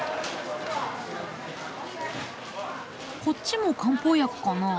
こっちも漢方薬かな。